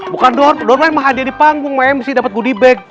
bukan door door lah emang hadiah di panggung sama mc dapet goodie bag